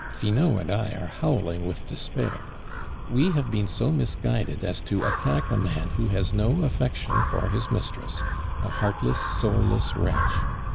Finot and I are howling with despair. We have been so misguided as to attack a man who has no affection for his mistress, a heartless, soulless wretch.